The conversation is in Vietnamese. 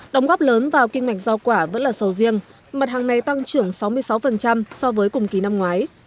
đồng góp lớn vào kinh mạch rau quả vẫn là sầu riêng mặt hàng này tăng trưởng sáu mươi sáu so với cùng kỳ năm ngoái